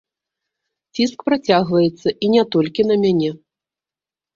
Ціск працягваецца, і не толькі на мяне.